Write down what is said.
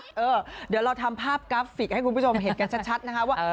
เดี๋ยวเราทำภาพกราฟิกให้คุณผู้ชมเห็นกันชัดนะคะว่า